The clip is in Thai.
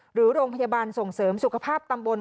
หรือโรงพยาบาลส่งเสริมสุขภาพตำบล